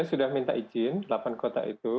saya sudah minta izin delapan kota itu